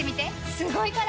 すごいから！